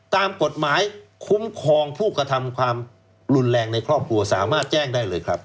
ตามกฎหมายคุ้มครองผู้กระทำความรุนแรงในครอบครัวสามารถแจ้งได้เลยครับ